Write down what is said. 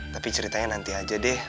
tapi ceritanya nanti aja deh